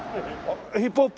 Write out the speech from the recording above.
ヒップホップ？